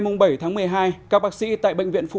ngày bảy tháng một mươi hai các bác sĩ tại bệnh viện phú sĩ